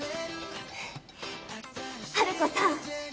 ハルコさん